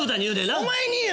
お前にや！